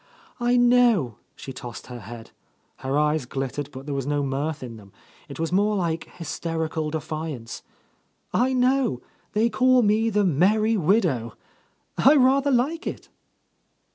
"I know I" She tossed her head. Her eyes glittered, but there was no mirth in them, — it was more like hysterical defiance. "I know; they call me the Merry Widow. I rather like it!"